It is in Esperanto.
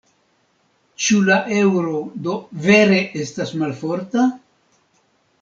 Ĉu la eŭro do vere estas malforta?